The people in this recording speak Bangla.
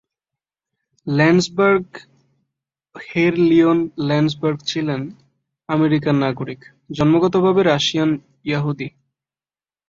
ল্যাণ্ডসবার্গ হের লিয়ন ল্যাণ্ডসবার্গ ছিলেন আমেরিকান নাগরিক, জন্মগতভাবে রাশিয়ান য়াহুদী।